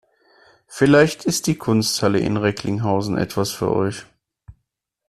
Vielleicht ist die Kunsthalle in Recklinghausen etwas für euch.